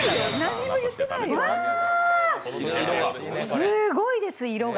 すごいです、色が。